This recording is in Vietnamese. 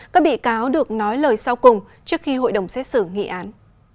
các bị cáo được nói lời sau cùng trước khi hội đồng xét xử nghị án